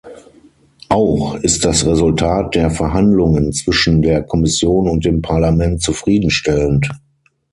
Auch ist das Resultat der Verhandlungen zwischen der Kommission und dem Parlament zufriedenstellend.